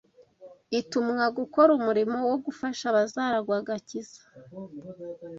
itumwa gukora umurimo wo gufasha abazaragwa agakiza?